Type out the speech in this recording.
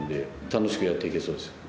楽しくやって行けそうです。